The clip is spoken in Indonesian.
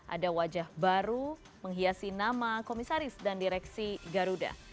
ada wajah baru menghiasi nama komisaris dan direksi garuda